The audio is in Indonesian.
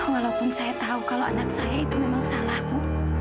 walaupun saya tahu kalau anak saya itu memang salah bu